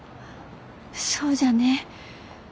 そうじゃね。